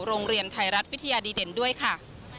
โรงเรียนไทยรัฐวิทยาดีเด่นด้วยค่ะ